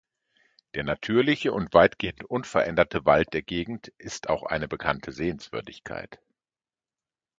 Der natürliche und weitgehend unveränderte Wald der Gegend ist auch eine bekannte Sehenswürdigkeit.